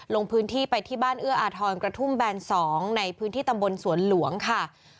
ลงพื้นที่ไปที่บ้านเอื้ออาทรกระทุ่มแบน๒ในพื้นที่ตำบลสวนหลวงค่ะ